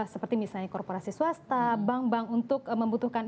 seperti misalnya korporasi swasta bank bank untuk membutuhkan